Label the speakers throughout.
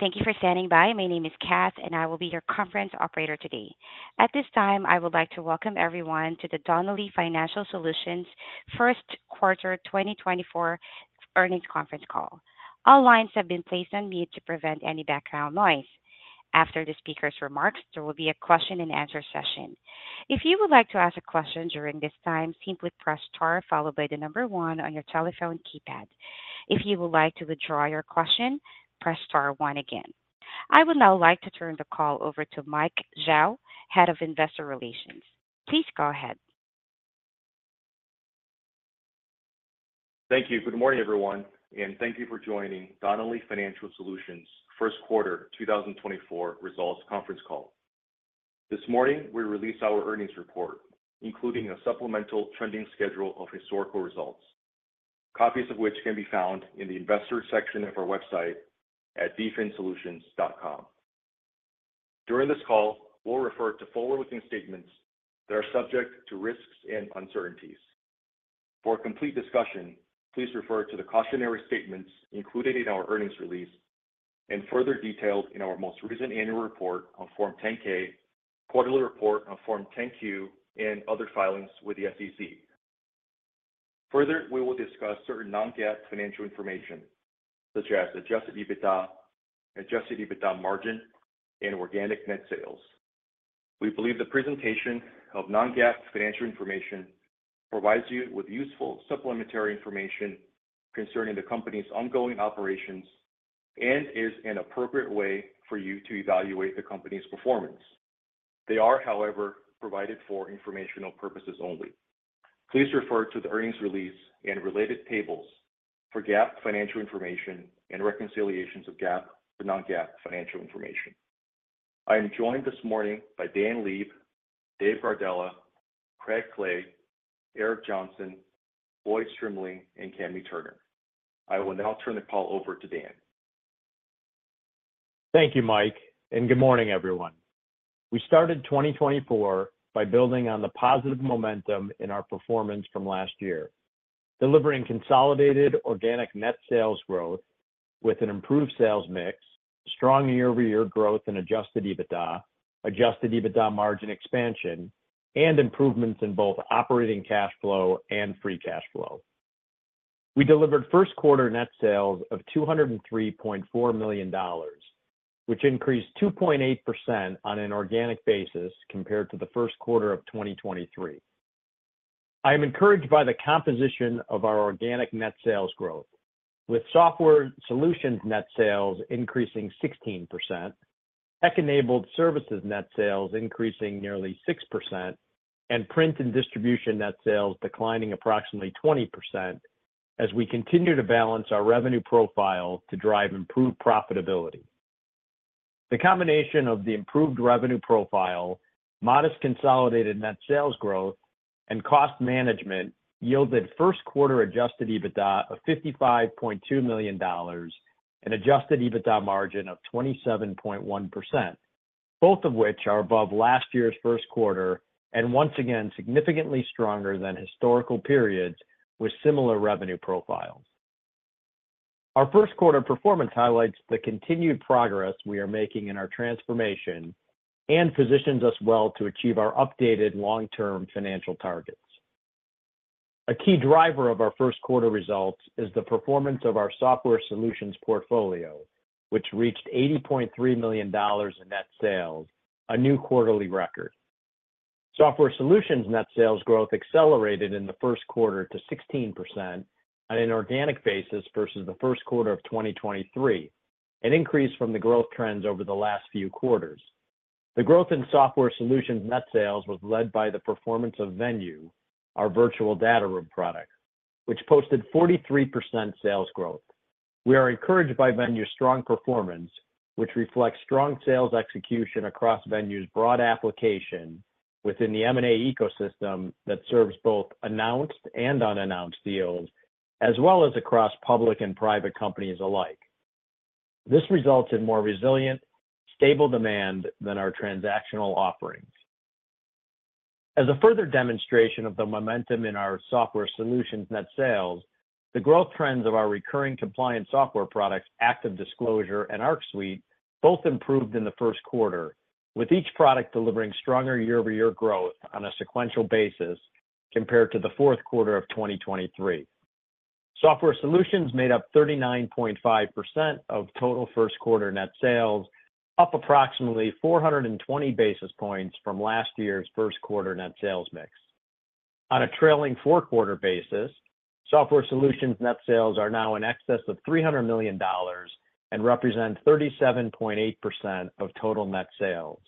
Speaker 1: Thank you for standing by. My name is Kath, and I will be your conference operator today. At this time, I would like to welcome everyone to the Donnelley Financial Solutions first quarter 2024 earnings conference call. All lines have been placed on mute to prevent any background noise. After the speaker's remarks, there will be a question-and-answer session. If you would like to ask a question during this time, simply press star followed by the number one on your telephone keypad. If you would like to withdraw your question, press star, one again. I would now like to turn the call over to Mike Zhao, Head of Investor Relations. Please go ahead.
Speaker 2: Thank you. Good morning, everyone, and thank you for joining Donnelley Financial Solutions first quarter 2024 results conference call. This morning, we release our earnings report, including a supplemental trending schedule of historical results, copies of which can be found in the investor section of our website at dfinsolutions.com. During this call, we'll refer to forward-looking statements that are subject to risks and uncertainties. For complete discussion, please refer to the cautionary statements included in our earnings release and further detailed in our most recent annual report on Form 10-K, quarterly report on Form 10-Q, and other filings with the SEC. Further, we will discuss certain non-GAAP financial information, such as Adjusted EBITDA, Adjusted EBITDA margin, and Organic Net Sales. We believe the presentation of non-GAAP financial information provides you with useful supplementary information concerning the company's ongoing operations and is an appropriate way for you to evaluate the company's performance. They are, however, provided for informational purposes only. Please refer to the earnings release and related tables for GAAP financial information and reconciliations of GAAP for non-GAAP financial information. I am joined this morning by Dan Leib, Dave Gardella, Craig Clay, Eric Johnson, Floyd Strimling, and Kami Turner. I will now turn the call over to Dan.
Speaker 3: Thank you, Mike, and good morning, everyone. We started 2024 by building on the positive momentum in our performance from last year, delivering consolidated organic net sales growth with an improved sales mix, strong year-over-year growth in Adjusted EBITDA, Adjusted EBITDA margin expansion, and improvements in both operating cash flow and free cash flow. We delivered first quarter net sales of $203.4 million, which increased 2.8% on an organic basis compared to the first quarter of 2023. I am encouraged by the composition of our organic net sales growth, with software solutions net sales increasing 16%, tech-enabled services net sales increasing nearly 6%, and print and distribution net sales declining approximately 20% as we continue to balance our revenue profile to drive improved profitability. The combination of the improved revenue profile, modest consolidated net sales growth, and cost management yielded first quarter adjusted EBITDA of $55.2 million and adjusted EBITDA margin of 27.1%, both of which are above last year's first quarter and once again significantly stronger than historical periods with similar revenue profiles. Our first quarter performance highlights the continued progress we are making in our transformation and positions us well to achieve our updated long-term financial targets. A key driver of our first quarter results is the performance of our software solutions portfolio, which reached $80.3 million in net sales, a new quarterly record. Software solutions net sales growth accelerated in the first quarter to 16% on an organic basis versus the first quarter of 2023, an increase from the growth trends over the last few quarters. The growth in software solutions net sales was led by the performance of Venue, our virtual data room product, which posted 43% sales growth. We are encouraged by Venue's strong performance, which reflects strong sales execution across Venue's broad application within the M&A ecosystem that serves both announced and unannounced deals, as well as across public and private companies alike. This results in more resilient, stable demand than our transactional offerings. As a further demonstration of the momentum in our software solutions net sales, the growth trends of our recurring compliance software products, ActiveDisclosure, and ArcSuite both improved in the first quarter, with each product delivering stronger year-over-year growth on a sequential basis compared to the fourth quarter of 2023. Software solutions made up 39.5% of total first quarter net sales, up approximately 420 basis points from last year's first quarter net sales mix. On a trailing four-quarter basis, software solutions net sales are now in excess of $300 million and represent 37.8% of total net sales,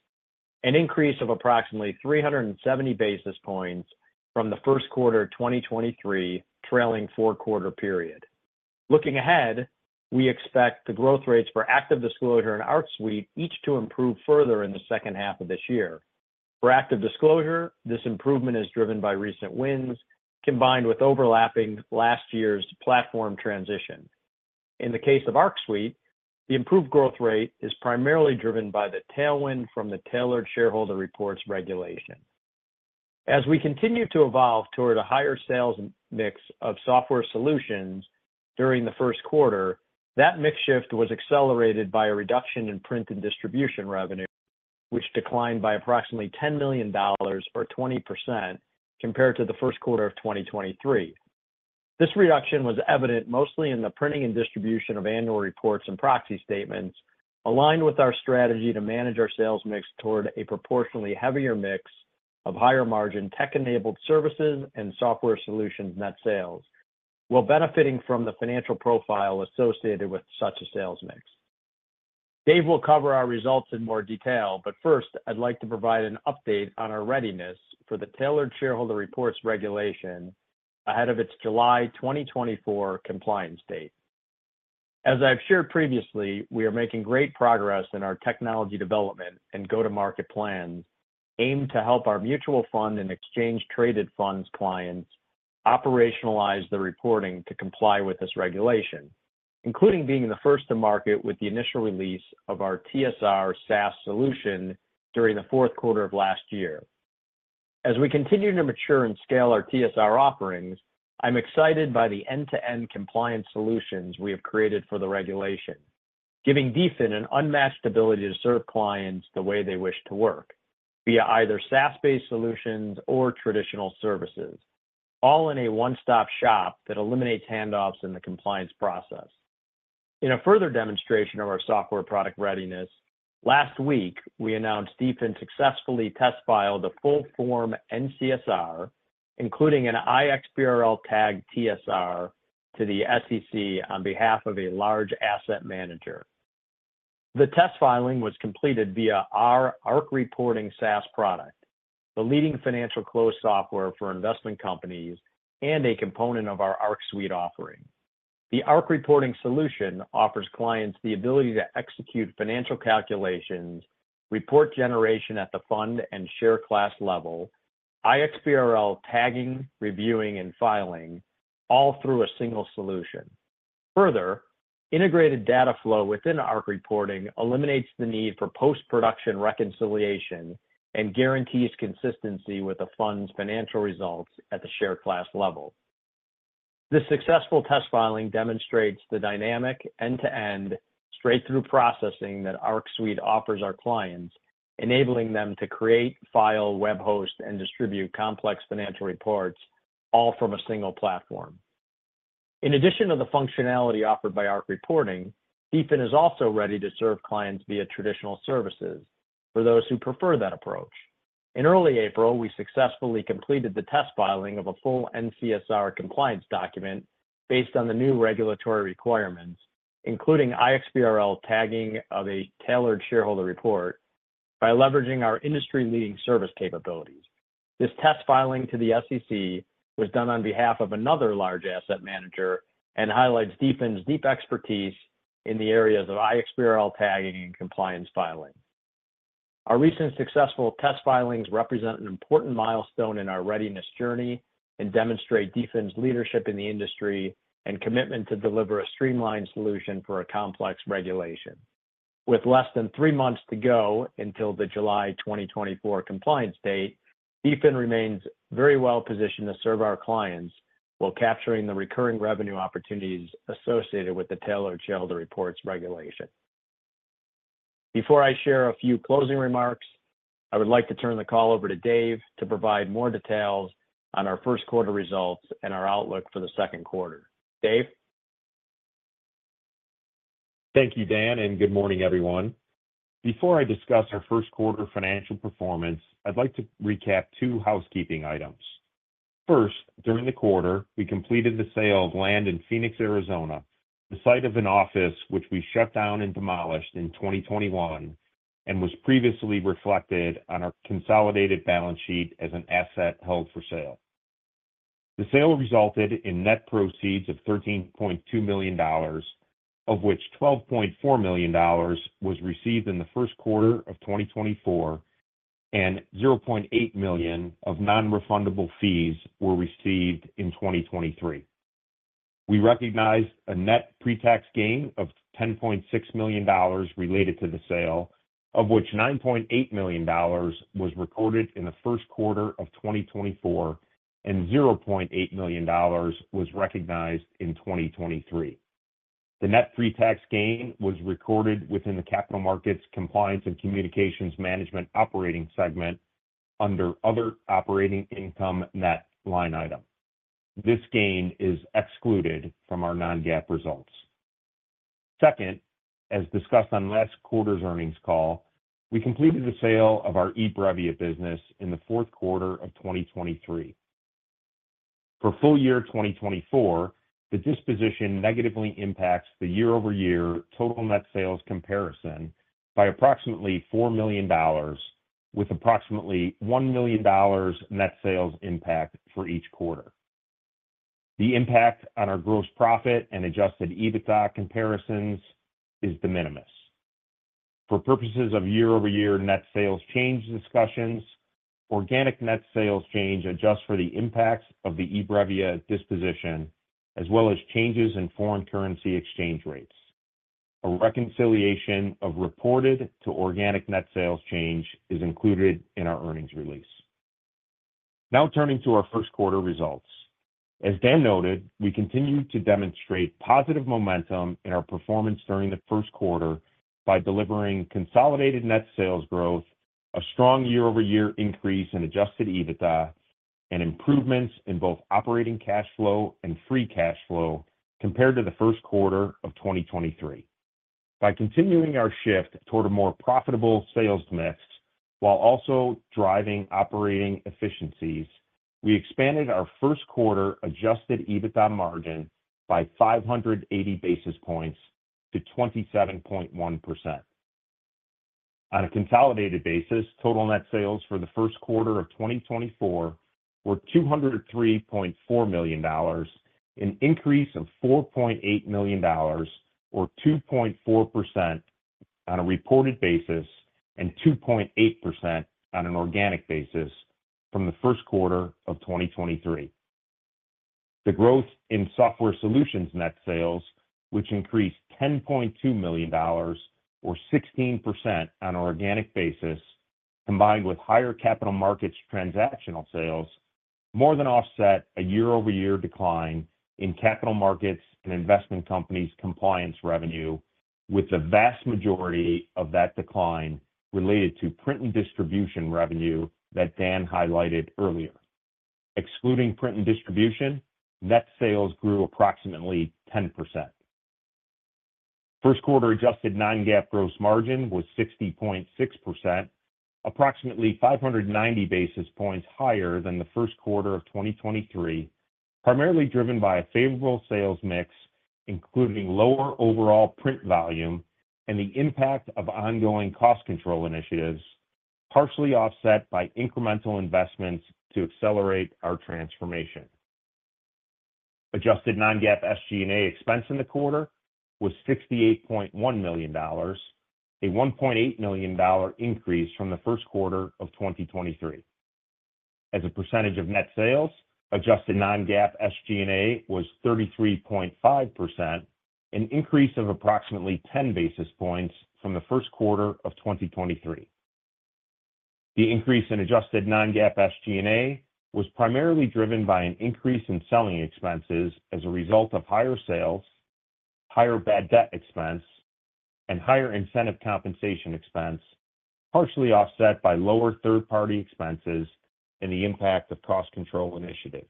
Speaker 3: an increase of approximately 370 basis points from the first quarter 2023 trailing four-quarter period. Looking ahead, we expect the growth rates for ActiveDisclosure and ArcSuite each to improve further in the second half of this year. For ActiveDisclosure, this improvement is driven by recent wins combined with overlapping last year's platform transition. In the case of ArcSuite, the improved growth rate is primarily driven by the tailwind from the tailored shareholder reports regulation. As we continue to evolve toward a higher sales mix of software solutions during the first quarter, that mix shift was accelerated by a reduction in print and distribution revenue, which declined by approximately $10 million or 20% compared to the first quarter of 2023. This reduction was evident mostly in the printing and distribution of annual reports and proxy statements, aligned with our strategy to manage our sales mix toward a proportionally heavier mix of higher margin tech-enabled services and software solutions net sales, while benefiting from the financial profile associated with such a sales mix. Dave will cover our results in more detail, but first, I'd like to provide an update on our readiness for the Tailored Shareholder Reports regulation ahead of its July 2024 compliance date. As I've shared previously, we are making great progress in our technology development and go-to-market plans aimed to help our mutual fund and exchange-traded funds clients operationalize the reporting to comply with this regulation, including being the first to market with the initial release of our TSR SaaS solution during the fourth quarter of last year. As we continue to mature and scale our TSR offerings, I'm excited by the end-to-end compliance solutions we have created for the regulation, giving DFIN an unmatched ability to serve clients the way they wish to work via either SaaS-based solutions or traditional services, all in a one-stop shop that eliminates handoffs in the compliance process. In a further demonstration of our software product readiness, last week, we announced DFIN successfully test-filed a full-form N-CSR, including an iXBRL-tagged TSR, to the SEC on behalf of a large asset manager. The test filing was completed via our ArcReporting SaaS product, the leading financial close software for investment companies, and a component of our ArcSuite offering. The ArcReporting solution offers clients the ability to execute financial calculations, report generation at the fund and share class level, iXBRL tagging, reviewing, and filing, all through a single solution. Further, integrated data flow within ArcReporting eliminates the need for post-production reconciliation and guarantees consistency with the fund's financial results at the share class level. This successful test filing demonstrates the dynamic end-to-end straight-through processing that ArcSuite offers our clients, enabling them to create, file, web host, and distribute complex financial reports, all from a single platform. In addition to the functionality offered by ArcReporting, DFIN is also ready to serve clients via traditional services for those who prefer that approach. In early April, we successfully completed the test filing of a full N-CSR compliance document based on the new regulatory requirements, including iXBRL tagging of a tailored shareholder report, by leveraging our industry-leading service capabilities. This test filing to the SEC was done on behalf of another large asset manager and highlights DFIN's deep expertise in the areas of iXBRL tagging and compliance filing. Our recent successful test filings represent an important milestone in our readiness journey and demonstrate DFIN's leadership in the industry and commitment to deliver a streamlined solution for a complex regulation. With less than three months to go until the July 2024 compliance date, DFIN remains very well positioned to serve our clients while capturing the recurring revenue opportunities associated with the tailored shareholder reports regulation. Before I share a few closing remarks, I would like to turn the call over to Dave to provide more details on our first quarter results and our outlook for the second quarter. Dave?
Speaker 4: Thank you, Dan, and good morning, everyone. Before I discuss our first quarter financial performance, I'd like to recap two housekeeping items. First, during the quarter, we completed the sale of land in Phoenix, Arizona, the site of an office which we shut down and demolished in 2021 and was previously reflected on our consolidated balance sheet as an asset held for sale. The sale resulted in net proceeds of $13.2 million, of which $12.4 million was received in the first quarter of 2024, and $0.8 million of non-refundable fees were received in 2023. We recognized a net pre-tax gain of $10.6 million related to the sale, of which $9.8 million was recorded in the first quarter of 2024 and $0.8 million was recognized in 2023. The net pre-tax gain was recorded within the capital markets compliance and communications management operating segment under other operating income net line item. This gain is excluded from our non-GAAP results. Second, as discussed on last quarter's earnings call, we completed the sale of our eBrevia business in the fourth quarter of 2023. For full year 2024, the disposition negatively impacts the year-over-year total net sales comparison by approximately $4 million, with approximately $1 million net sales impact for each quarter. The impact on our gross profit and Adjusted EBITDA comparisons is de minimis. For purposes of year-over-year net sales change discussions, Organic Net Sales change adjusts for the impacts of the eBrevia disposition as well as changes in foreign currency exchange rates. A reconciliation of reported to Organic Net Sales change is included in our earnings release. Now turning to our first quarter results. As Dan noted, we continue to demonstrate positive momentum in our performance during the first quarter by delivering consolidated net sales growth, a strong year-over-year increase in Adjusted EBITDA, and improvements in both operating cash flow and Free Cash Flow compared to the first quarter of 2023. By continuing our shift toward a more profitable sales mix while also driving operating efficiencies, we expanded our first quarter Adjusted EBITDA Margin by 580 basis points to 27.1%. On a consolidated basis, total net sales for the first quarter of 2024 were $203.4 million, an increase of $4.8 million or 2.4% on a reported basis and 2.8% on an organic basis from the first quarter of 2023. The growth in software solutions net sales, which increased $10.2 million or 16% on an organic basis combined with higher capital markets transactional sales, more than offset a year-over-year decline in capital markets and investment companies compliance revenue, with the vast majority of that decline related to print and distribution revenue that Dan highlighted earlier. Excluding print and distribution, net sales grew approximately 10%. First quarter adjusted non-GAAP gross margin was 60.6%, approximately 590 basis points higher than the first quarter of 2023, primarily driven by a favorable sales mix including lower overall print volume and the impact of ongoing cost control initiatives, partially offset by incremental investments to accelerate our transformation. Adjusted non-GAAP SG&A expense in the quarter was $68.1 million, a $1.8 million increase from the first quarter of 2023. As a percentage of net sales, adjusted non-GAAP SG&A was 33.5%, an increase of approximately 10 basis points from the first quarter of 2023. The increase in adjusted non-GAAP SG&A was primarily driven by an increase in selling expenses as a result of higher sales, higher bad debt expense, and higher incentive compensation expense, partially offset by lower third-party expenses and the impact of cost control initiatives.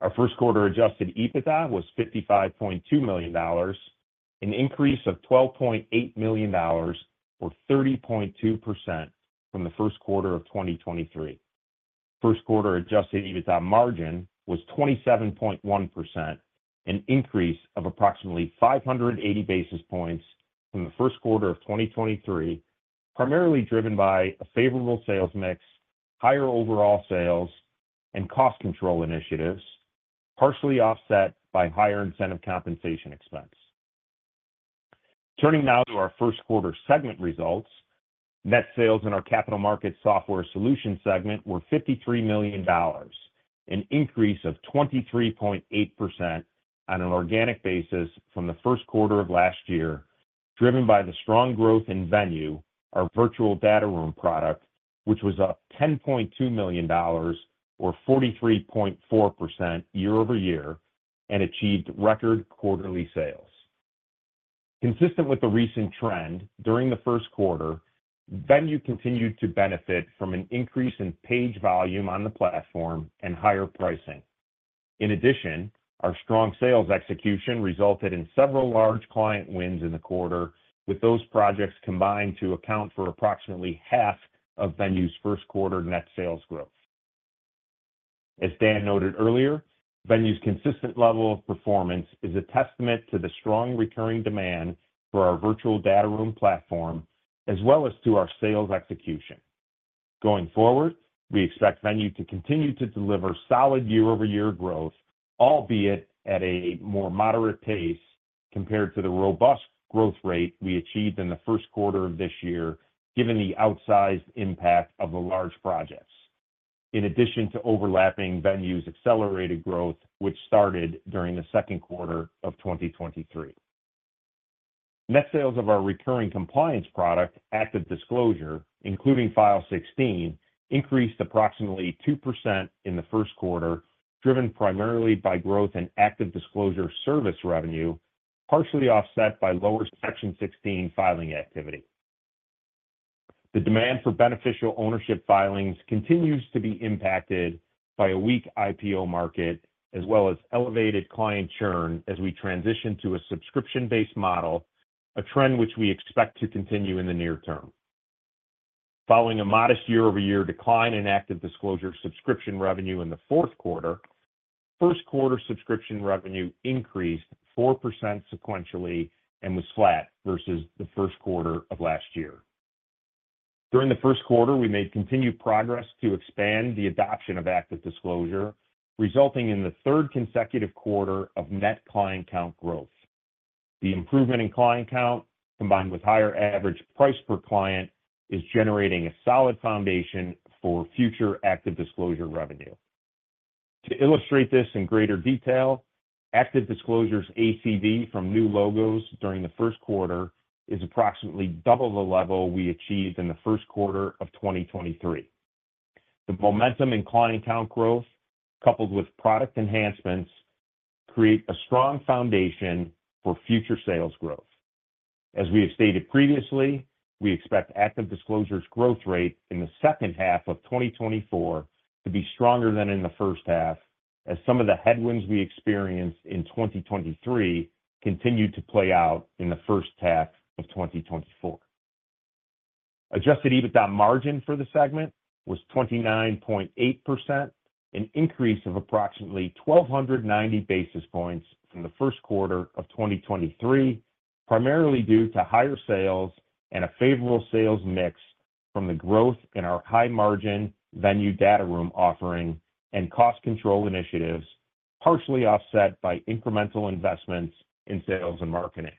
Speaker 4: Our first quarter adjusted EBITDA was $55.2 million, an increase of $12.8 million or 30.2% from the first quarter of 2023. First quarter adjusted EBITDA margin was 27.1%, an increase of approximately 580 basis points from the first quarter of 2023, primarily driven by a favorable sales mix, higher overall sales, and cost control initiatives, partially offset by higher incentive compensation expense. Turning now to our first quarter segment results, net sales in our capital markets software solution segment were $53 million, an increase of 23.8% on an organic basis from the first quarter of last year, driven by the strong growth in Venue, our virtual data room product, which was up $10.2 million or 43.4% year-over-year and achieved record quarterly sales. Consistent with the recent trend, during the first quarter, Venue continued to benefit from an increase in page volume on the platform and higher pricing. In addition, our strong sales execution resulted in several large client wins in the quarter, with those projects combined to account for approximately half of Venue's first quarter net sales growth. As Dan noted earlier, Venue's consistent level of performance is a testament to the strong recurring demand for our virtual data room platform as well as to our sales execution. Going forward, we expect Venue to continue to deliver solid year-over-year growth, albeit at a more moderate pace compared to the robust growth rate we achieved in the first quarter of this year, given the outsized impact of the large projects, in addition to overlapping Venue's accelerated growth, which started during the second quarter of 2023. Net sales of our recurring compliance product, ActiveDisclosure, including Section 16, increased approximately 2% in the first quarter, driven primarily by growth in ActiveDisclosure service revenue, partially offset by lower Section 16 filing activity. The demand for beneficial ownership filings continues to be impacted by a weak IPO market as well as elevated client churn as we transition to a subscription-based model, a trend which we expect to continue in the near term. Following a modest year-over-year decline in ActiveDisclosure subscription revenue in the fourth quarter, first quarter subscription revenue increased 4% sequentially and was flat versus the first quarter of last year. During the first quarter, we made continued progress to expand the adoption of ActiveDisclosure, resulting in the third consecutive quarter of net client count growth. The improvement in client count, combined with higher average price per client, is generating a solid foundation for future ActiveDisclosure revenue. To illustrate this in greater detail, ActiveDisclosure's ACV from new logos during the first quarter is approximately double the level we achieved in the first quarter of 2023. The momentum in client count growth, coupled with product enhancements, create a strong foundation for future sales growth. As we have stated previously, we expect ActiveDisclosure growth rate in the second half of 2024 to be stronger than in the first half, as some of the headwinds we experienced in 2023 continue to play out in the first half of 2024. Adjusted EBITDA margin for the segment was 29.8%, an increase of approximately 1,290 basis points from the first quarter of 2023, primarily due to higher sales and a favorable sales mix from the growth in our high-margin Venue data room offering and cost control initiatives, partially offset by incremental investments in sales and marketing.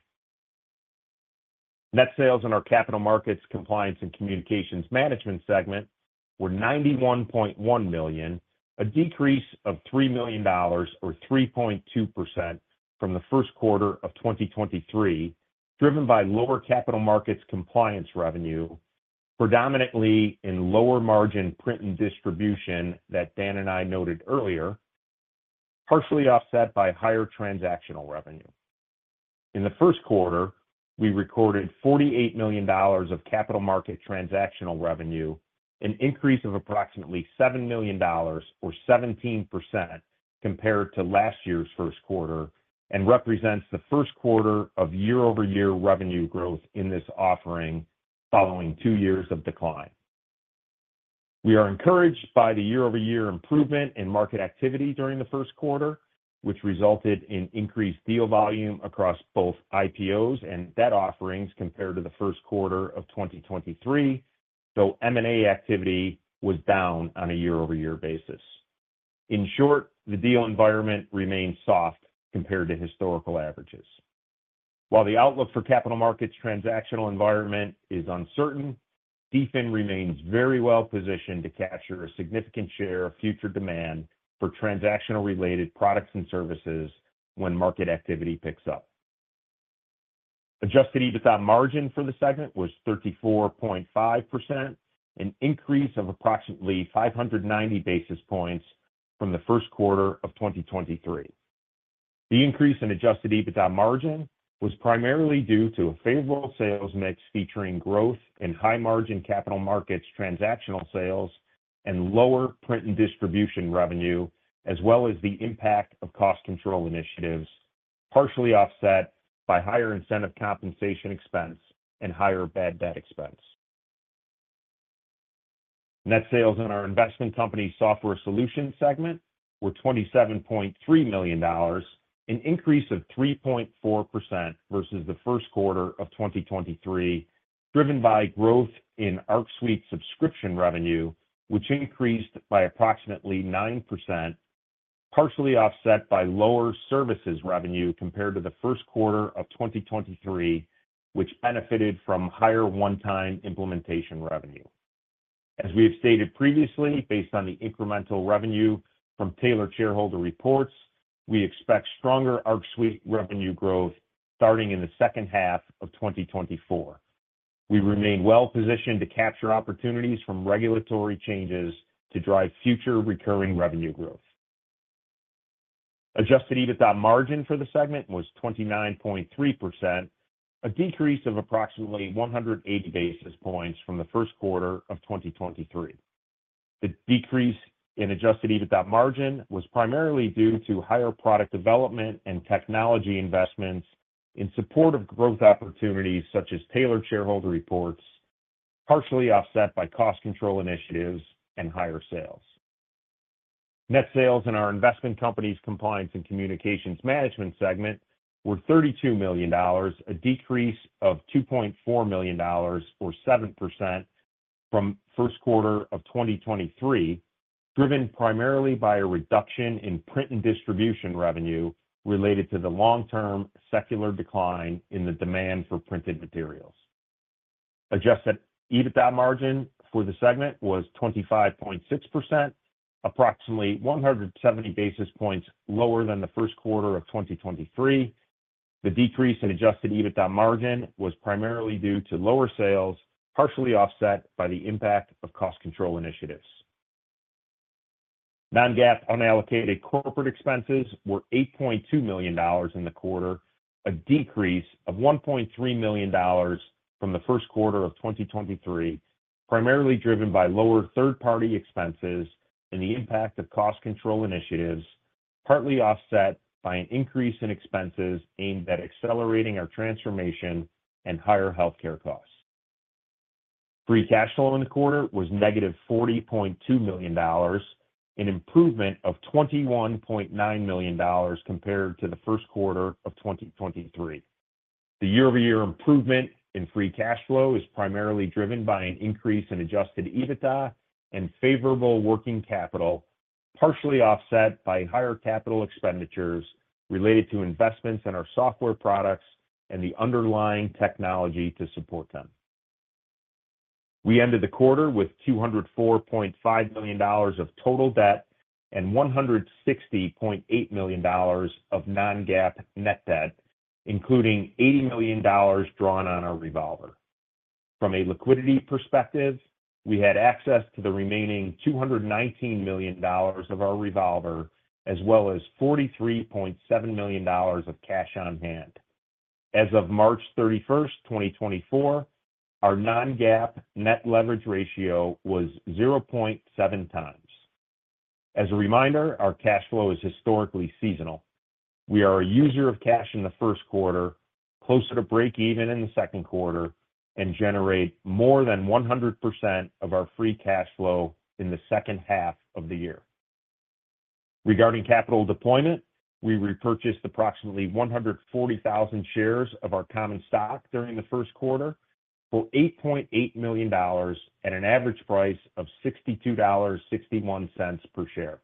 Speaker 4: Net sales in our capital markets compliance and communications management segment were $91.1 million, a decrease of $3 million or 3.2% from the first quarter of 2023, driven by lower capital markets compliance revenue, predominantly in lower-margin print and distribution that Dan and I noted earlier, partially offset by higher transactional revenue. In the first quarter, we recorded $48 million of capital market transactional revenue, an increase of approximately $7 million or 17% compared to last year's first quarter, and represents the first quarter of year-over-year revenue growth in this offering following two years of decline. We are encouraged by the year-over-year improvement in market activity during the first quarter, which resulted in increased deal volume across both IPOs and debt offerings compared to the first quarter of 2023, though M&A activity was down on a year-over-year basis. In short, the deal environment remains soft compared to historical averages. While the outlook for capital markets transactional environment is uncertain, DFIN remains very well positioned to capture a significant share of future demand for transactional-related products and services when market activity picks up. Adjusted EBITDA margin for the segment was 34.5%, an increase of approximately 590 basis points from the first quarter of 2023. The increase in adjusted EBITDA margin was primarily due to a favorable sales mix featuring growth in high-margin capital markets transactional sales and lower print and distribution revenue, as well as the impact of cost control initiatives, partially offset by higher incentive compensation expense and higher bad debt expense. Net sales in our investment company software solution segment were $27.3 million, an increase of 3.4% versus the first quarter of 2023, driven by growth in ArcSuite subscription revenue, which increased by approximately 9%, partially offset by lower services revenue compared to the first quarter of 2023, which benefited from higher one-time implementation revenue. As we have stated previously, based on the incremental revenue from Tailored Shareholder Reports, we expect stronger ArcSuite revenue growth starting in the second half of 2024. We remain well positioned to capture opportunities from regulatory changes to drive future recurring revenue growth. Adjusted EBITDA margin for the segment was 29.3%, a decrease of approximately 180 basis points from the first quarter of 2023. The decrease in adjusted EBITDA margin was primarily due to higher product development and technology investments in support of growth opportunities such as Tailored Shareholder Reports, partially offset by cost control initiatives and higher sales. Net sales in our investment companies compliance and communications management segment were $32 million, a decrease of $2.4 million or 7% from first quarter of 2023, driven primarily by a reduction in print and distribution revenue related to the long-term secular decline in the demand for printed materials. Adjusted EBITDA margin for the segment was 25.6%, approximately 170 basis points lower than the first quarter of 2023. The decrease in Adjusted EBITDA margin was primarily due to lower sales, partially offset by the impact of cost control initiatives. Non-GAAP unallocated corporate expenses were $8.2 million in the quarter, a decrease of $1.3 million from the first quarter of 2023, primarily driven by lower third-party expenses and the impact of cost control initiatives, partly offset by an increase in expenses aimed at accelerating our transformation and higher healthcare costs. Free cash flow in the quarter was negative $40.2 million, an improvement of $21.9 million compared to the first quarter of 2023. The year-over-year improvement in Free Cash Flow is primarily driven by an increase in Adjusted EBITDA and favorable working capital, partially offset by higher capital expenditures related to investments in our software products and the underlying technology to support them. We ended the quarter with $204.5 million of total debt and $160.8 million of non-GAAP net debt, including $80 million drawn on our revolver. From a liquidity perspective, we had access to the remaining $219 million of our revolver, as well as $43.7 million of cash on hand. As of March 31, 2024, our non-GAAP net leverage ratio was 0.7x. As a reminder, our cash flow is historically seasonal. We are a user of cash in the first quarter, closer to break even in the second quarter, and generate more than 100% of our Free Cash Flow in the second half of the year. Regarding capital deployment, we repurchased approximately 140,000 shares of our common stock during the first quarter for $8.8 million at an average price of $62.61 per share.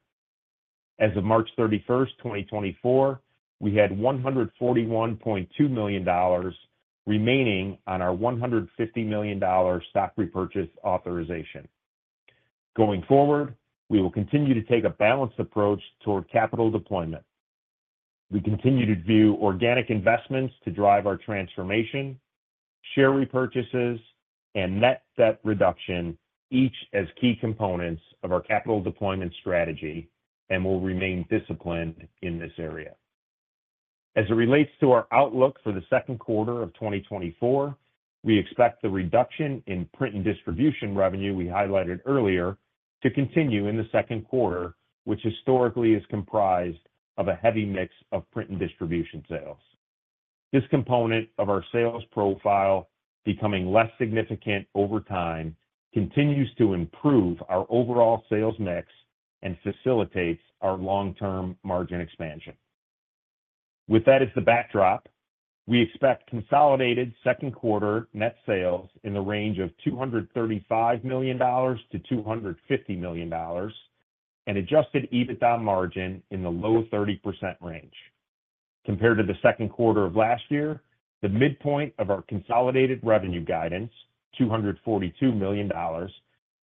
Speaker 4: As of March 31, 2024, we had $141.2 million remaining on our $150 million stock repurchase authorization. Going forward, we will continue to take a balanced approach toward capital deployment. We continue to view organic investments to drive our transformation, share repurchases, and net debt reduction each as key components of our capital deployment strategy and will remain disciplined in this area. As it relates to our outlook for the second quarter of 2024, we expect the reduction in print and distribution revenue we highlighted earlier to continue in the second quarter, which historically is comprised of a heavy mix of print and distribution sales. This component of our sales profile, becoming less significant over time, continues to improve our overall sales mix and facilitates our long-term margin expansion. With that as the backdrop, we expect consolidated second quarter net sales in the range of $235 million-$250 million and Adjusted EBITDA margin in the low 30% range. Compared to the second quarter of last year, the midpoint of our consolidated revenue guidance, $242 million,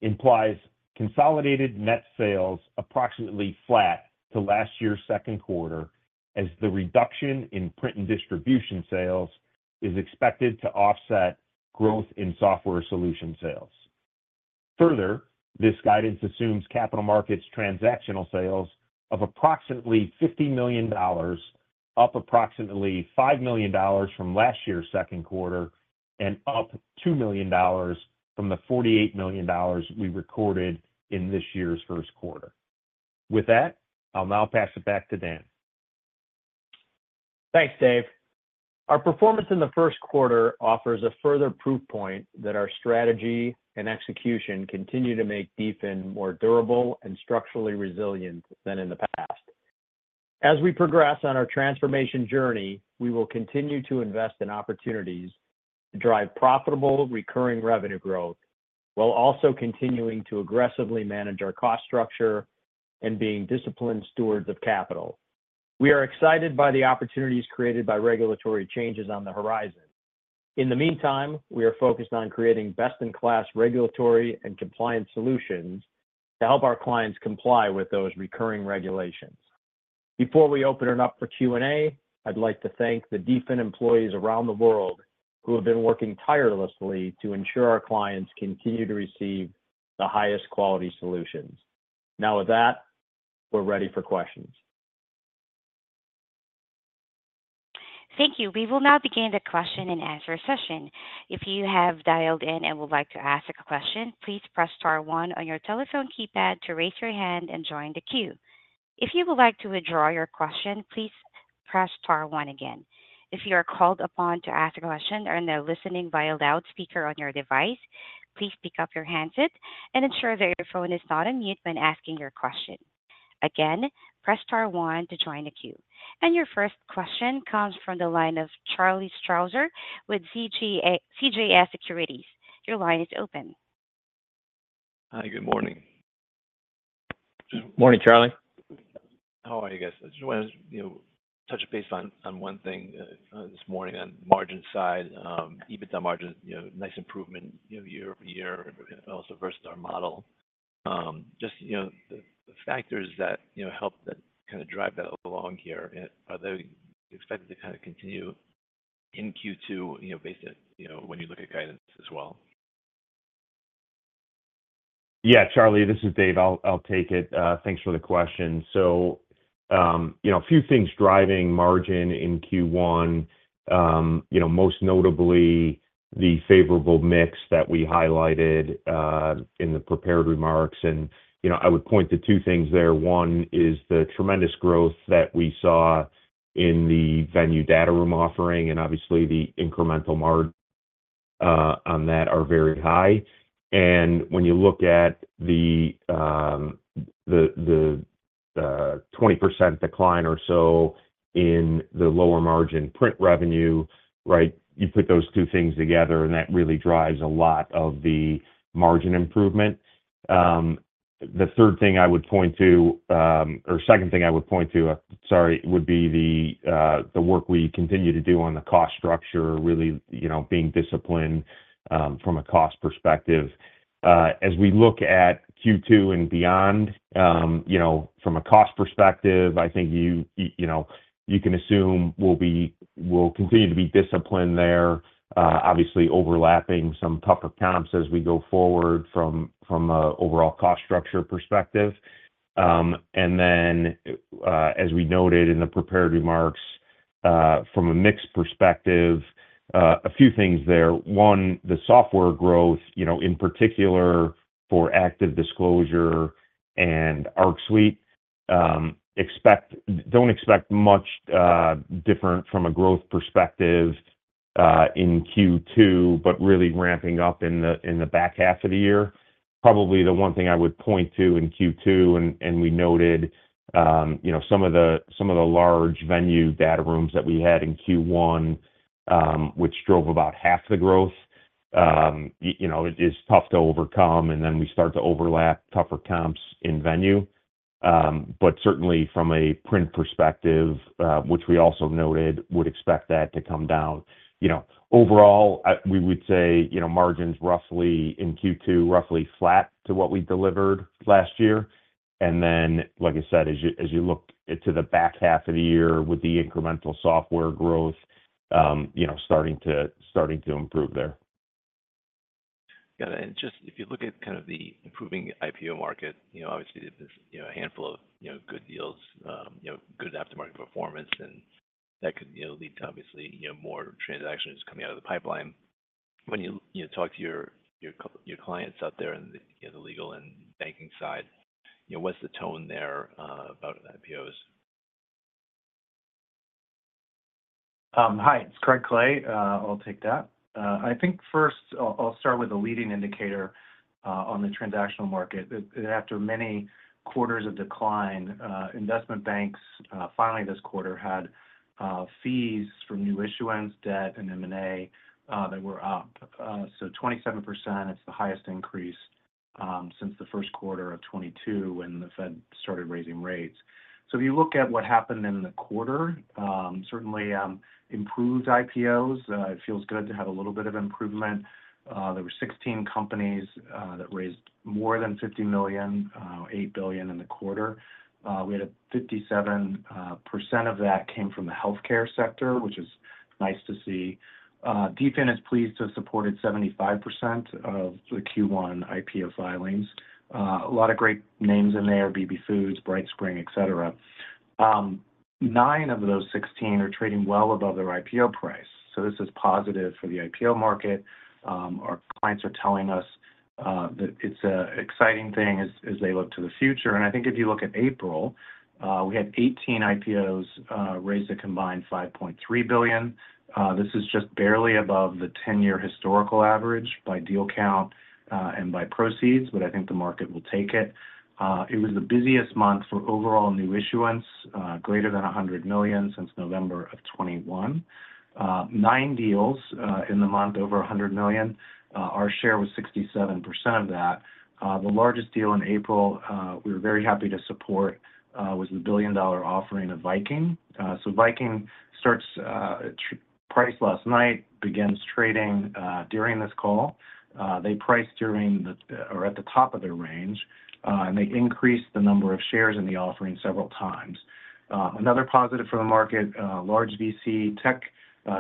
Speaker 4: implies consolidated net sales approximately flat to last year's second quarter, as the reduction in print and distribution sales is expected to offset growth in software solution sales. Further, this guidance assumes capital markets transactional sales of approximately $50 million, up approximately $5 million from last year's second quarter and up $2 million from the $48 million we recorded in this year's first quarter. With that, I'll now pass it back to Dan.
Speaker 3: Thanks, Dave. Our performance in the first quarter offers a further proof point that our strategy and execution continue to make DFIN more durable and structurally resilient than in the past. As we progress on our transformation journey, we will continue to invest in opportunities to drive profitable recurring revenue growth while also continuing to aggressively manage our cost structure and being disciplined stewards of capital. We are excited by the opportunities created by regulatory changes on the horizon. In the meantime, we are focused on creating best-in-class regulatory and compliance solutions to help our clients comply with those recurring regulations. Before we open it up for Q&A, I'd like to thank the DFIN employees around the world who have been working tirelessly to ensure our clients continue to receive the highest quality solutions. Now with that, we're ready for questions.
Speaker 1: Thank you. We will now begin the question-and-answer session. If you have dialed in and would like to ask a question, please press star one on your telephone keypad to raise your hand and join the queue. If you would like to withdraw your question, please press star one again. If you are called upon to ask a question or in the listening via loudspeaker on your device, please pick up your handset and ensure that your phone is not on mute when asking your question. Again, press star one to join the queue. Your first question comes from the line of Charlie Strauzer with CJS Securities. Your line is open.
Speaker 5: Hi, good morning.
Speaker 3: Morning, Charlie.
Speaker 5: How are you guys? I just wanted to touch base on one thing this morning on the margin side. EBITDA margin, nice improvement year-over-year also versus our model. Just the factors that help kind of drive that along here, are they expected to kind of continue in Q2 based on when you look at guidance as well?
Speaker 4: Yeah, Charlie, this is Dave. I'll take it. Thanks for the question. So a few things driving margin in Q1, most notably the favorable mix that we highlighted in the prepared remarks. And I would point to two things there. One is the tremendous growth that we saw in the venue data room offering, and obviously, the incremental margins on that are very high. And when you look at the 20% decline or so in the lower margin print revenue, you put those two things together, and that really drives a lot of the margin improvement. The third thing I would point to or second thing I would point to, sorry, would be the work we continue to do on the cost structure, really being disciplined from a cost perspective. As we look at Q2 and beyond, from a cost perspective, I think you can assume we'll continue to be disciplined there, obviously overlapping some tougher comps as we go forward from an overall cost structure perspective. And then, as we noted in the prepared remarks, from a mixed perspective, a few things there. One, the software growth, in particular for ActiveDisclosure and ArcSuite, don't expect much different from a growth perspective in Q2, but really ramping up in the back half of the year. Probably the one thing I would point to in Q2, and we noted some of the large Venue data rooms that we had in Q1, which drove about half the growth, is tough to overcome. And then we start to overlap tougher comps in Venue. But certainly, from a print perspective, which we also noted, would expect that to come down. Overall, we would say margins in Q2 roughly flat to what we delivered last year. And then, like I said, as you look to the back half of the year with the incremental software growth starting to improve there. Got it. And just if you look at kind of the improving IPO market, obviously, there's a handful of good deals, good aftermarket performance, and that could lead to, obviously, more transactions coming out of the pipeline. When you talk to your clients out there on the legal and banking side, what's the tone there about IPOs?
Speaker 6: Hi, it's Craig Clay. I'll take that. I think first, I'll start with a leading indicator on the transactional market. After many quarters of decline, investment banks finally this quarter had fees from new issuance, debt, and M&A that were up. So 27%, it's the highest increase since the first quarter of 2022 when the Fed started raising rates. So if you look at what happened in the quarter, certainly improved IPOs. It feels good to have a little bit of improvement. There were 16 companies that raised more than $50 million, $8 billion in the quarter. We had 57% of that came from the healthcare sector, which is nice to see. DFIN is pleased to have supported 75% of the Q1 IPO filings. A lot of great names in there, BBB Foods, BrightSpring, etc. Nine of those 16 are trading well above their IPO price. So this is positive for the IPO market. Our clients are telling us that it's an exciting thing as they look to the future. And I think if you look at April, we had 18 IPOs raise a combined $5.3 billion. This is just barely above the 10-year historical average by deal count and by proceeds, but I think the market will take it. It was the busiest month for overall new issuance, greater than $100 million since November of 2021. Nine deals in the month over $100 million. Our share was 67% of that. The largest deal in April we were very happy to support was the billion-dollar offering of Viking. So Viking starts priced last night, begins trading during this call. They priced during the or at the top of their range, and they increased the number of shares in the offering several times. Another positive for the market, large VC tech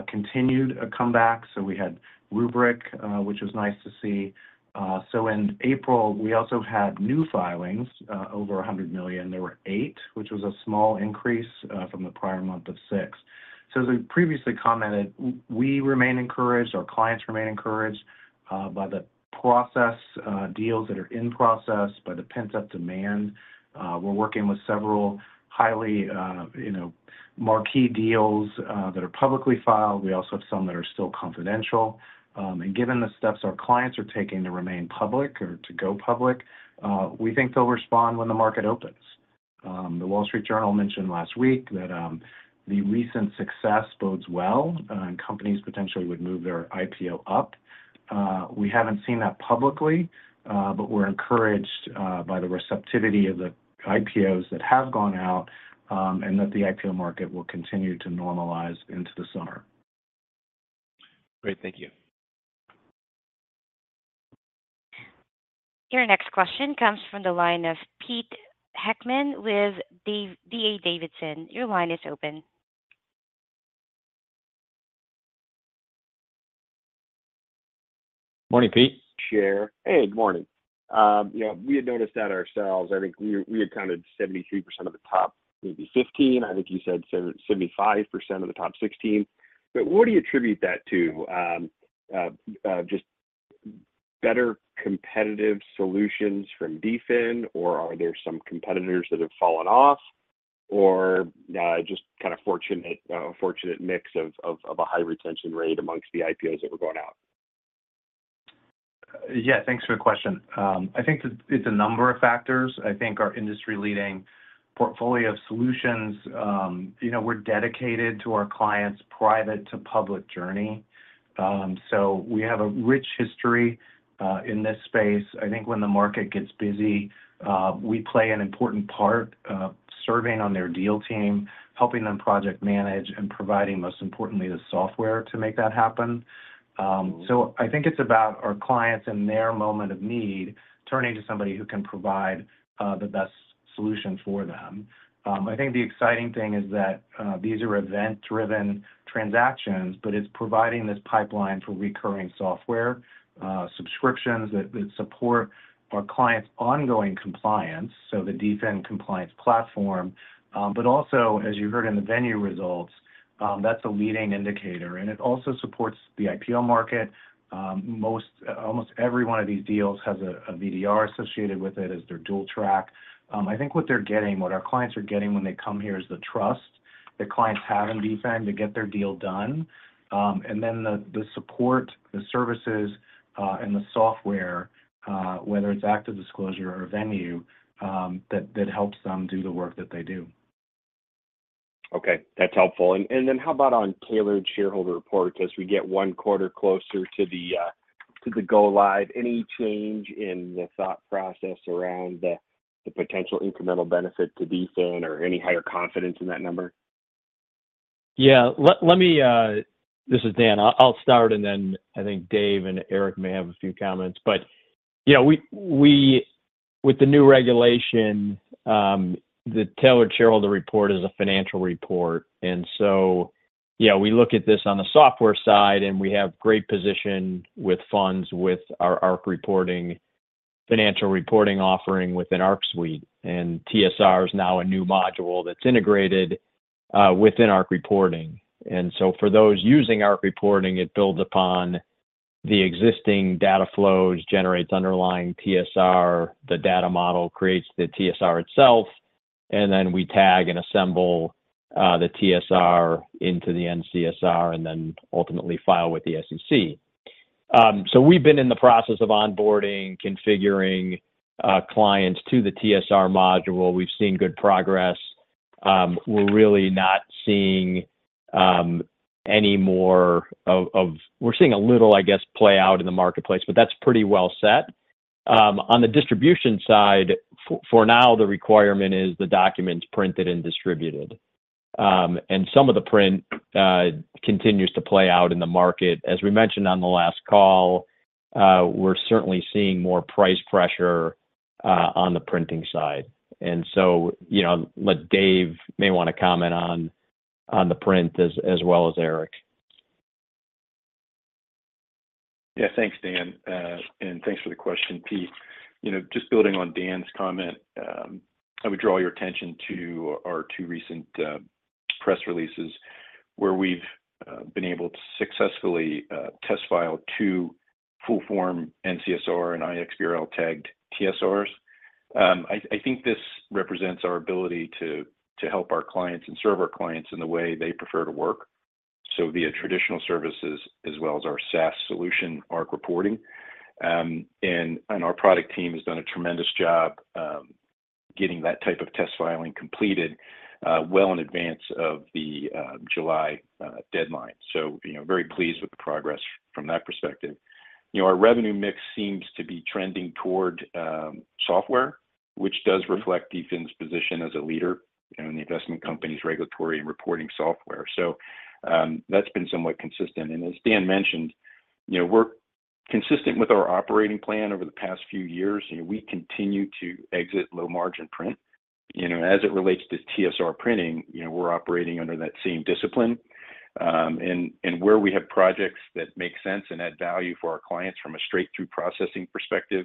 Speaker 6: continued a comeback. So we had Rubrik, which was nice to see. So in April, we also had new filings over $100 million. There were eight, which was a small increase from the prior month of six. So as I previously commented, we remain encouraged. Our clients remain encouraged by the process deals that are in process, by the pent-up demand. We're working with several highly marquee deals that are publicly filed. We also have some that are still confidential. And given the steps our clients are taking to remain public or to go public, we think they'll respond when the market opens. The Wall Street Journal mentioned last week that the recent success bodes well and companies potentially would move their IPO up. We haven't seen that publicly, but we're encouraged by the receptivity of the IPOs that have gone out and that the IPO market will continue to normalize into the summer.
Speaker 5: Great. Thank you.
Speaker 1: Your next question comes from the line of Peter Heckmann with D.A. Davidson. Your line is open.
Speaker 3: Morning, Pete.
Speaker 7: Sure. Hey, good morning. We had noticed it ourselves, I think we had counted 73% of the top, maybe 15. I think you said 75% of the top 16. But what do you attribute that to? Just better competitive solutions from DFIN, or are there some competitors that have fallen off, or just kind of a fortunate mix of a high retention rate amongst the IPOs that were going out?
Speaker 6: Yeah, thanks for the question. I think it's a number of factors. I think our industry-leading portfolio of solutions, we're dedicated to our clients' private-to-public journey. So we have a rich history in this space. I think when the market gets busy, we play an important part serving on their deal team, helping them project manage, and providing, most importantly, the software to make that happen. So I think it's about our clients and their moment of need turning to somebody who can provide the best solution for them. I think the exciting thing is that these are event-driven transactions, but it's providing this pipeline for recurring software subscriptions that support our clients' ongoing compliance, so the DFIN compliance platform. But also, as you heard in the Venue results, that's a leading indicator. And it also supports the IPO market. Almost every one of these deals has a VDR associated with it as their dual track. I think what they're getting, what our clients are getting when they come here is the trust that clients have in DFIN to get their deal done. And then the support, the services, and the software, whether it's ActiveDisclosure or Venue, that helps them do the work that they do.
Speaker 7: Okay. That's helpful. And then how about on tailored shareholder reports? As we get one quarter closer to the go live, any change in the thought process around the potential incremental benefit to DFIN or any higher confidence in that number?
Speaker 3: Yeah. This is Dan. I'll start, and then I think Dave and Eric may have a few comments. With the new regulation, the Tailored Shareholder Report is a financial report. So we look at this on the software side, and we have great position with funds with our ArcReporting, financial reporting offering within ArcSuite. TSR is now a new module that's integrated within ArcReporting. For those using ArcReporting, it builds upon the existing data flows, generates underlying TSR, the data model creates the TSR itself, and then we tag and assemble the TSR into the N-CSR and then ultimately file with the SEC. We've been in the process of onboarding, configuring clients to the TSR module. We've seen good progress. We're really not seeing any more. We're seeing a little, I guess, play out in the marketplace, but that's pretty well set. On the distribution side, for now, the requirement is the documents printed and distributed. Some of the print continues to play out in the market. As we mentioned on the last call, we're certainly seeing more price pressure on the printing side. So Dave may want to comment on the print as well as Eric.
Speaker 8: Yeah, thanks, Dan. And thanks for the question, Pete. Just building on Dan's comment, I would draw your attention to our two recent press releases where we've been able to successfully test file two full-form N-CSR and iXBRL-tagged TSRs. I think this represents our ability to help our clients and serve our clients in the way they prefer to work, so via traditional services as well as our SaaS solution, ArcReporting. And our product team has done a tremendous job getting that type of test filing completed well in advance of the July deadline. So very pleased with the progress from that perspective. Our revenue mix seems to be trending toward software, which does reflect DFIN's position as a leader in the investment company's regulatory and reporting software. So that's been somewhat consistent. And as Dan mentioned, we're consistent with our operating plan over the past few years. We continue to exit low-margin print. As it relates to TSR printing, we're operating under that same discipline. And where we have projects that make sense and add value for our clients from a straight-through processing perspective,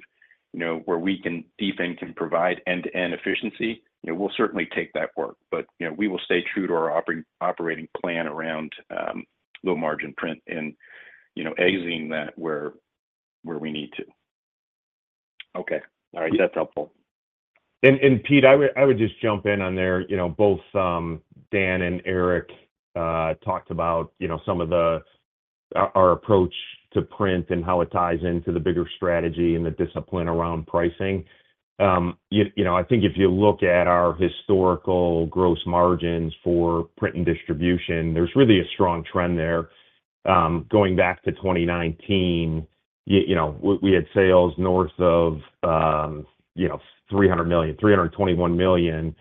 Speaker 8: where DFIN can provide end-to-end efficiency, we'll certainly take that work. But we will stay true to our operating plan around low-margin print and exiting that where we need to.
Speaker 7: Okay. All right. That's helpful.
Speaker 4: Pete, I would just jump in on there. Both Dan and Eric talked about some of our approach to print and how it ties into the bigger strategy and the discipline around pricing. I think if you look at our historical gross margins for print and distribution, there's really a strong trend there. Going back to 2019, we had sales north of $300 million, $321 million,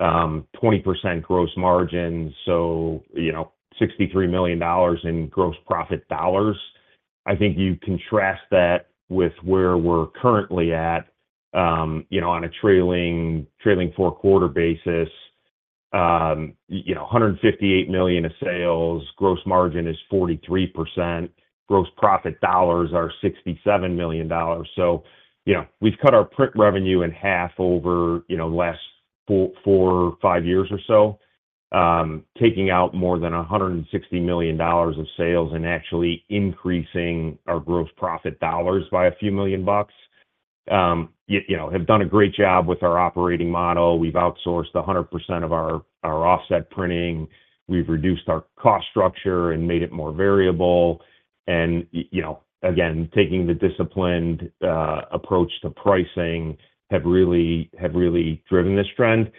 Speaker 4: 20% gross margins, so $63 million in gross profit dollars. I think you contrast that with where we're currently at on a trailing four-quarter basis. $158 million of sales, gross margin is 43%. Gross profit dollars are $67 million. So we've cut our print revenue in half over the last four, five years or so, taking out more than $160 million of sales and actually increasing our gross profit dollars by a few million bucks. Have done a great job with our operating model. We've outsourced 100% of our offset printing. We've reduced our cost structure and made it more variable. And again, taking the disciplined approach to pricing have really driven this trend.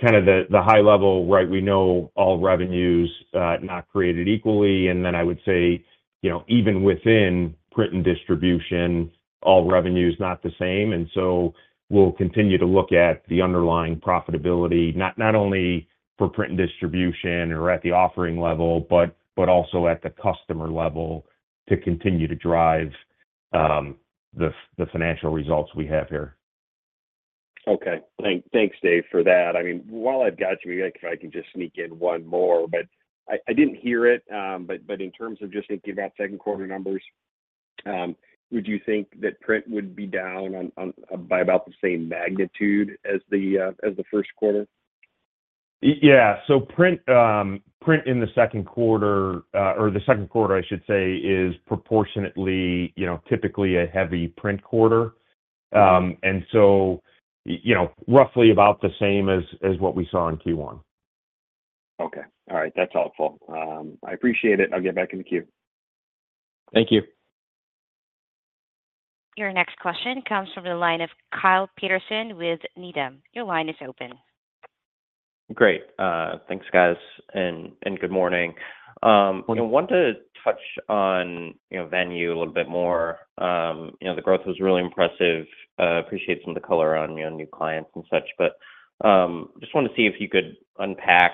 Speaker 4: Kind of the high level, right? We know all revenues not created equally. And then I would say even within print and distribution, all revenues not the same. And so we'll continue to look at the underlying profitability, not only for print and distribution or at the offering level, but also at the customer level to continue to drive the financial results we have here.
Speaker 7: Okay. Thanks, Dave, for that. I mean, while I've got you, if I can just sneak in one more. But I didn't hear it. But in terms of just thinking about second-quarter numbers, would you think that print would be down by about the same magnitude as the first quarter?
Speaker 4: Yeah. So print in the second quarter or the second quarter, I should say, is proportionately, typically a heavy print quarter. And so roughly about the same as what we saw in Q1.
Speaker 7: Okay. All right. That's helpful. I appreciate it. I'll get back in the queue.
Speaker 4: Thank you.
Speaker 1: Your next question comes from the line of Kyle Peterson with Needham. Your line is open.
Speaker 9: Great. Thanks, guys, and good morning. I want to touch on Venue a little bit more. The growth was really impressive. Appreciate some of the color on new clients and such. But just want to see if you could unpack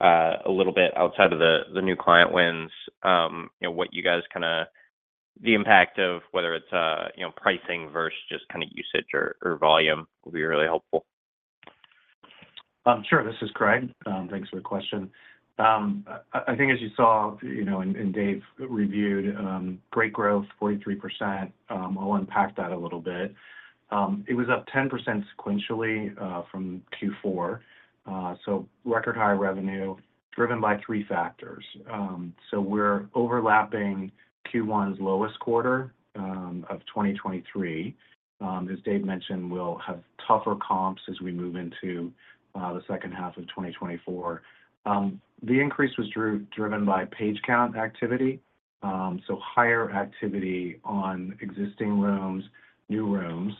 Speaker 9: a little bit outside of the new client wins what you guys kind of the impact of whether it's pricing versus just kind of usage or volume would be really helpful.
Speaker 6: Sure. This is Craig. Thanks for the question. I think as you saw and Dave reviewed, great growth, 43%. I'll unpack that a little bit. It was up 10% sequentially from Q4. Record high revenue driven by three factors. We're overlapping Q1's lowest quarter of 2023. As Dave mentioned, we'll have tougher comps as we move into the second half of 2024. The increase was driven by page count activity, so higher activity on existing rooms, new rooms,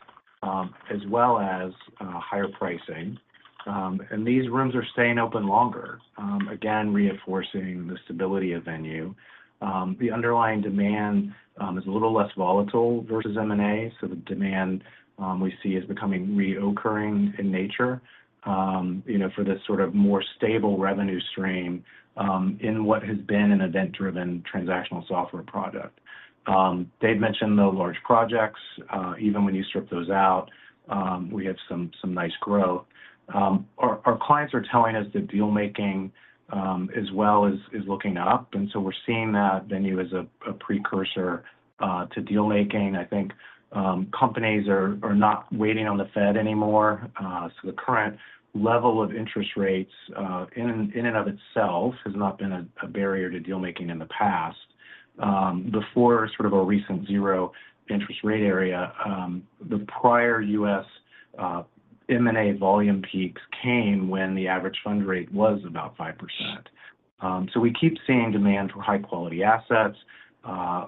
Speaker 6: as well as higher pricing. These rooms are staying open longer, again, reinforcing the stability of Venue. The underlying demand is a little less volatile versus M&A. The demand we see is becoming recurring in nature for this sort of more stable revenue stream in what has been an event-driven transactional software product. Dave mentioned the large projects. Even when you strip those out, we have some nice growth. Our clients are telling us that dealmaking as well is looking up. And so we're seeing that Venue as a precursor to dealmaking. I think companies are not waiting on the Fed anymore. So the current level of interest rates in and of itself has not been a barrier to dealmaking in the past. Before sort of a recent zero interest rate era, the prior U.S. M&A volume peaks came when the average fund rate was about 5%. So we keep seeing demand for high-quality assets.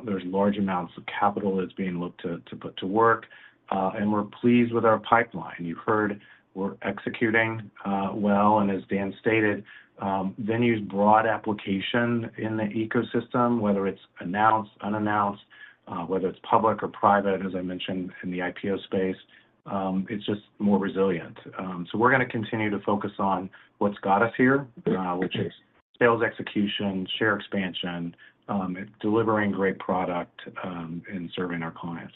Speaker 6: There's large amounts of capital that's being looked to put to work. And we're pleased with our pipeline. You heard we're executing well. And as Dan stated, Venue's broad application in the ecosystem, whether it's announced, unannounced, whether it's public or private, as I mentioned in the IPO space, it's just more resilient. We're going to continue to focus on what's got us here, which is sales execution, share expansion, delivering great product, and serving our clients.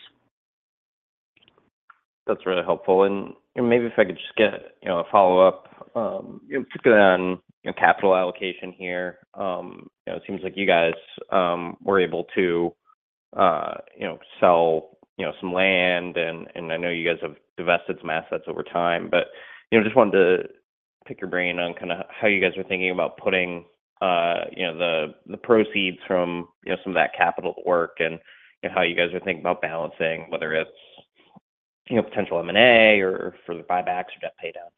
Speaker 9: That's really helpful. Maybe if I could just get a follow-up, particularly on capital allocation here. It seems like you guys were able to sell some land, and I know you guys have divested some assets over time. Just wanted to pick your brain on kind of how you guys are thinking about putting the proceeds from some of that capital to work and how you guys are thinking about balancing, whether it's potential M&A or for the buybacks or debt paydown.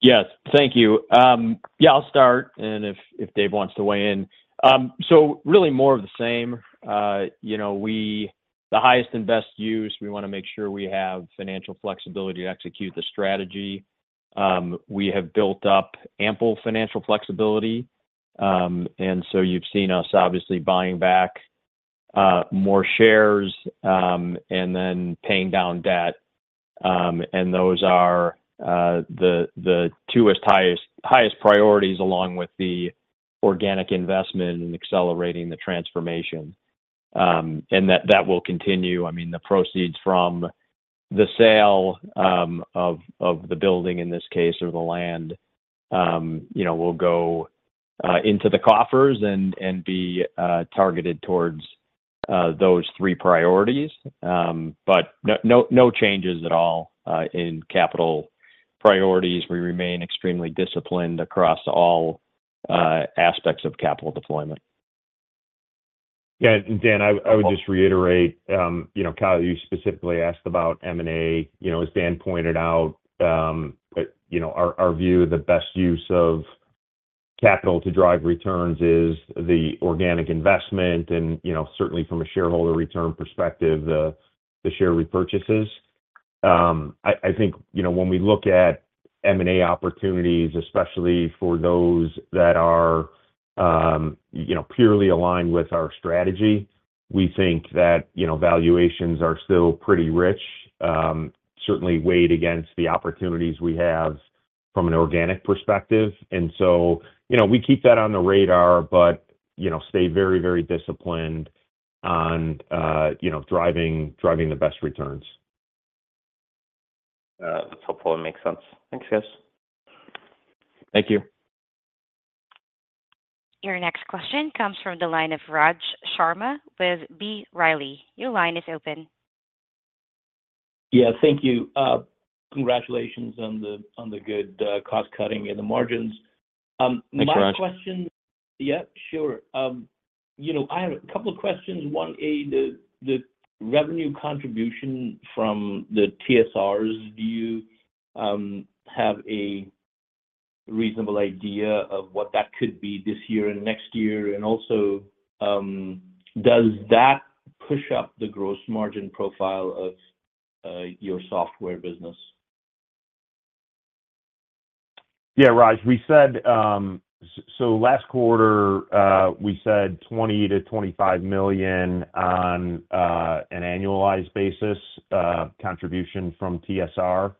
Speaker 3: Yes. Thank you. Yeah, I'll start, and if Dave wants to weigh in. Really more of the same. The highest and best use, we want to make sure we have financial flexibility to execute the strategy. We have built up ample financial flexibility. So you've seen us, obviously, buying back more shares and then paying down debt. Those are the two highest priorities along with the organic investment and accelerating the transformation. That will continue. I mean, the proceeds from the sale of the building, in this case, or the land, will go into the coffers and be targeted towards those three priorities. No changes at all in capital priorities. We remain extremely disciplined across all aspects of capital deployment.
Speaker 4: Yeah. And Dan, I would just reiterate, Kyle, you specifically asked about M&A. As Dan pointed out, our view, the best use of capital to drive returns is the organic investment. And certainly, from a shareholder return perspective, the share repurchases. I think when we look at M&A opportunities, especially for those that are purely aligned with our strategy, we think that valuations are still pretty rich, certainly weighed against the opportunities we have from an organic perspective. And so we keep that on the radar but stay very, very disciplined on driving the best returns.
Speaker 9: That's helpful and makes sense. Thanks, guys.
Speaker 3: Thank you.
Speaker 1: Your next question comes from the line of Raj Sharma with B. Riley. Your line is open.
Speaker 10: Yeah. Thank you. Congratulations on the good cost-cutting and the margins.
Speaker 3: Thanks, Raj.
Speaker 10: My question. Yeah, sure. I have a couple of questions. One, the revenue contribution from the TSRs, do you have a reasonable idea of what that could be this year and next year? And also, does that push up the gross margin profile of your software business?
Speaker 4: Yeah, Raj. So last quarter, we said $20 million-$25 million on an annualized basis contribution from TSR,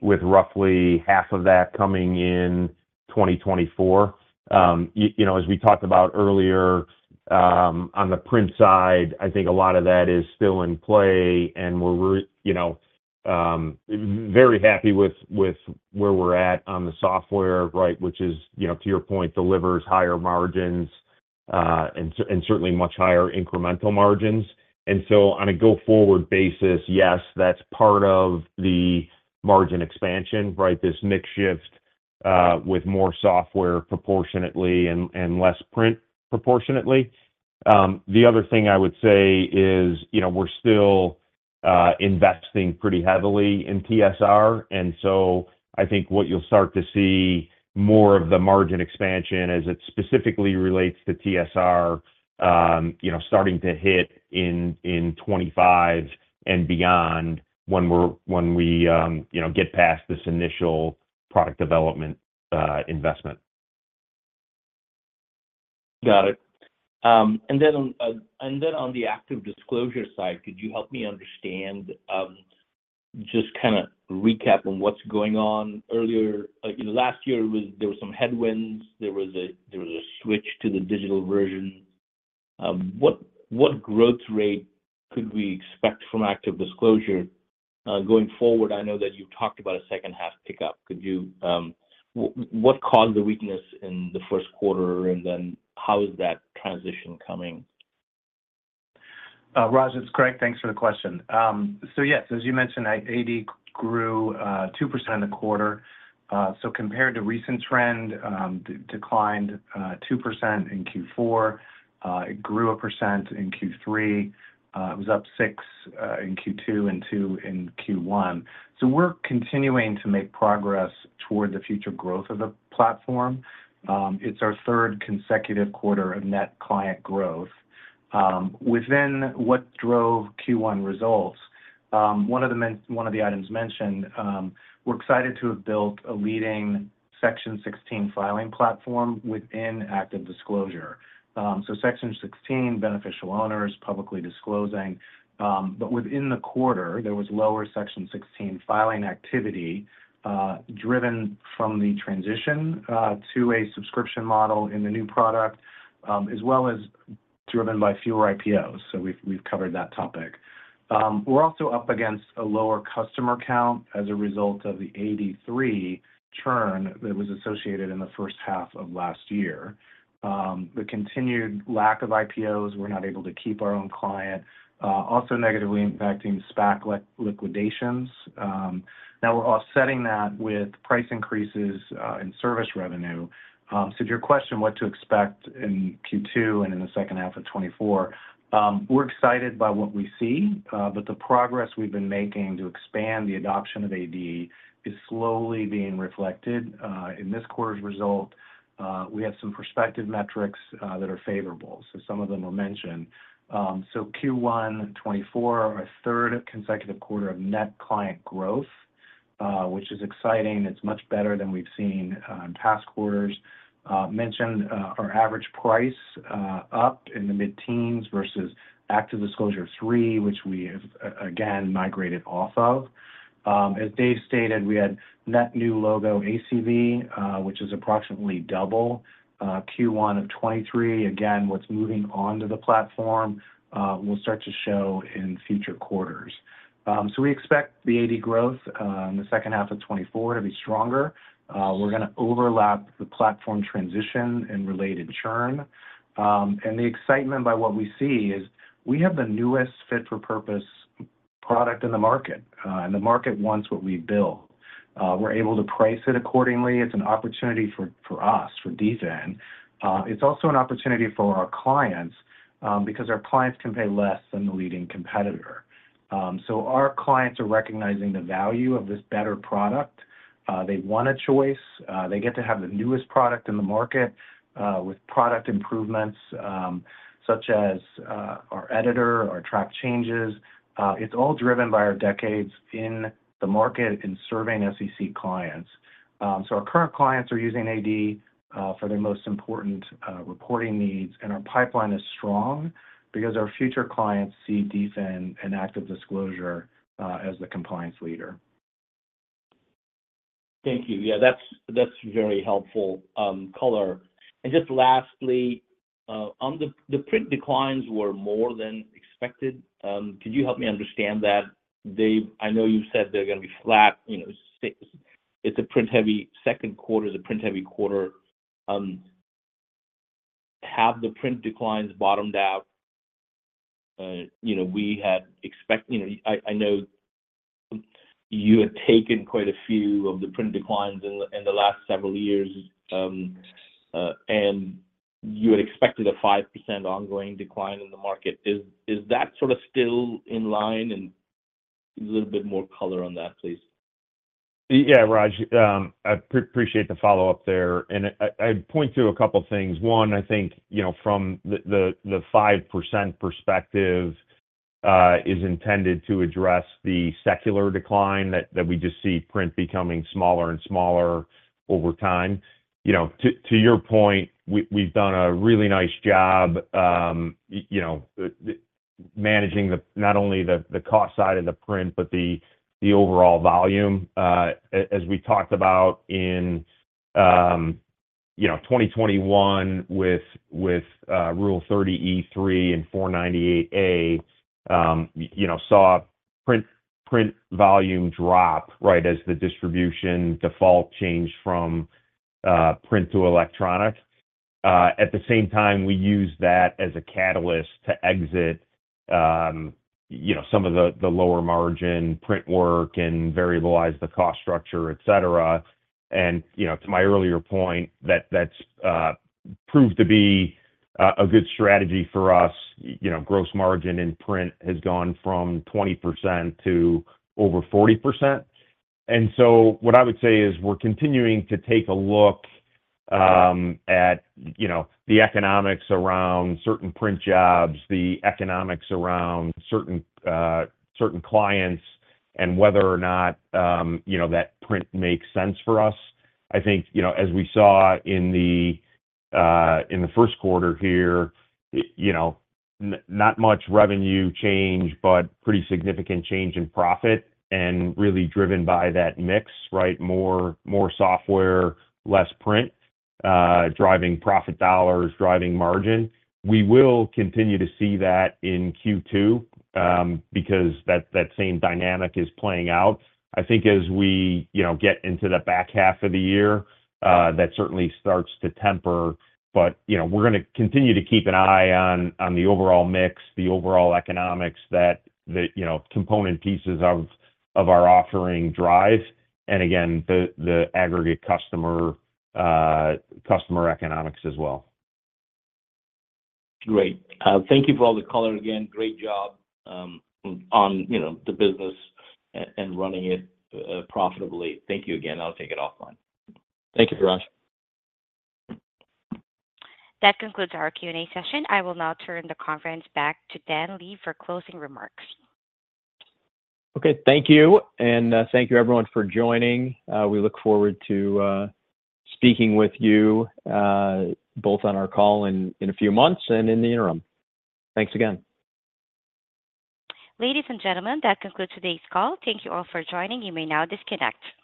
Speaker 4: with roughly half of that coming in 2024. As we talked about earlier, on the print side, I think a lot of that is still in play. And we're very happy with where we're at on the software, right, which is, to your point, delivers higher margins and certainly much higher incremental margins. And so on a go-forward basis, yes, that's part of the margin expansion, right, this mix-shift with more software proportionately and less print proportionately. The other thing I would say is we're still investing pretty heavily in TSR. And so I think what you'll start to see more of the margin expansion as it specifically relates to TSR starting to hit in 2025 and beyond when we get past this initial product development investment.
Speaker 10: Got it. And then on the ActiveDisclosure side, could you help me understand just kind of recap on what's going on earlier? Last year, there were some headwinds. There was a switch to the digital version. What growth rate could we expect from ActiveDisclosure going forward? I know that you've talked about a second-half pickup. What caused the weakness in the first quarter, and then how is that transition coming?
Speaker 6: Raj, that's great. Thanks for the question. So yes, as you mentioned, AD grew 2% in the quarter. So compared to recent trend, it declined 2% in Q4. It grew 1% in Q3. It was up 6% in Q2 and 2% in Q1. So we're continuing to make progress toward the future growth of the platform. It's our third consecutive quarter of net client growth. Within what drove Q1 results, one of the items mentioned, we're excited to have built a leading Section 16 filing platform within ActiveDisclosure. So Section 16, beneficial owners, publicly disclosing. But within the quarter, there was lower Section 16 filing activity driven from the transition to a subscription model in the new product, as well as driven by fewer IPOs. So we've covered that topic. We're also up against a lower customer count as a result of the 8.3% churn that was associated in the first half of last year. The continued lack of IPOs, we're not able to keep our own client, also negatively impacting SPAC liquidations. Now, we're offsetting that with price increases in service revenue. So to your question, what to expect in Q2 and in the second half of 2024, we're excited by what we see. But the progress we've been making to expand the adoption of AD is slowly being reflected in this quarter's result. We have some prospective metrics that are favorable. So some of them were mentioned. So Q1 2024, our third consecutive quarter of net client growth, which is exciting. It's much better than we've seen in past quarters. Mentioned our average price up in the mid-teens versus ActiveDisclosure three, which we, again, migrated off of. As Dave stated, we had net new logo ACV, which is approximately double Q1 of 2023. Again, what's moving onto the platform will start to show in future quarters. So we expect the AD growth in the second half of 2024 to be stronger. We're going to overlap the platform transition and related churn. And the excitement by what we see is we have the newest fit-for-purpose product in the market. And the market wants what we build. We're able to price it accordingly. It's an opportunity for us, for DFIN. It's also an opportunity for our clients because our clients can pay less than the leading competitor. So our clients are recognizing the value of this better product. They want a choice. They get to have the newest product in the market with product improvements such as our editor, our track changes. It's all driven by our decades in the market in serving SEC clients. So our current clients are using AD for their most important reporting needs. And our pipeline is strong because our future clients see DFIN and ActiveDisclosure as the compliance leader.
Speaker 10: Thank you. Yeah, that's very helpful, color. And just lastly, the print declines were more than expected. Could you help me understand that? I know you said they're going to be flat. It's a print-heavy second quarter. It's a print-heavy quarter. Have the print declines bottomed out? We had expected I know you had taken quite a few of the print declines in the last several years, and you had expected a 5% ongoing decline in the market. Is that sort of still in line? And a little bit more color on that, please.
Speaker 6: Yeah, Raj. I appreciate the follow-up there. And I'd point to a couple of things. One, I think from the 5% perspective, is intended to address the secular decline that we just see print becoming smaller and smaller over time. To your point, we've done a really nice job managing not only the cost side of the print but the overall volume. As we talked about in 2021 with Rule 30e-3 and 498A, saw print volume drop, right, as the distribution default changed from print to electronic. At the same time, we used that as a catalyst to exit some of the lower margin print work and variabilize the cost structure, etc. And to my earlier point, that's proved to be a good strategy for us. Gross margin in print has gone from 20% to over 40%. So what I would say is we're continuing to take a look at the economics around certain print jobs, the economics around certain clients, and whether or not that print makes sense for us. I think as we saw in the first quarter here, not much revenue change but pretty significant change in profit and really driven by that mix, right, more software, less print, driving profit dollars, driving margin. We will continue to see that in Q2 because that same dynamic is playing out. I think as we get into the back half of the year, that certainly starts to temper. But we're going to continue to keep an eye on the overall mix, the overall economics, that component pieces of our offering drive, and again, the aggregate customer economics as well.
Speaker 10: Great. Thank you for all the color again. Great job on the business and running it profitably. Thank you again. I'll take it offline.
Speaker 6: Thank you, Raj.
Speaker 1: That concludes our Q&A session. I will now turn the conference back to Dan Leib for closing remarks.
Speaker 3: Okay. Thank you. Thank you, everyone, for joining. We look forward to speaking with you both on our call in a few months and in the interim. Thanks again.
Speaker 1: Ladies and gentlemen, that concludes today's call. Thank you all for joining. You may now disconnect.